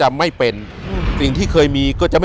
อยู่ที่แม่ศรีวิรัยิลครับ